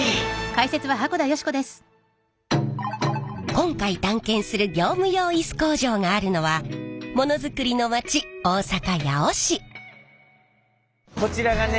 今回探検する業務用イス工場があるのはものづくりの町こちらがね